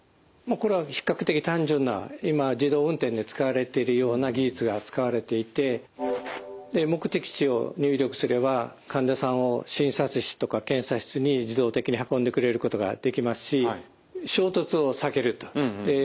これは比較的単純な今自動運転で使われてるような技術が使われていて目的地を入力すれば患者さんを診察室とか検査室に自動的に運んでくれることができますし衝突を避けると。